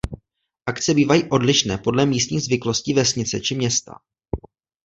Akce bývají odlišné podle místních zvyklostí vesnice či města.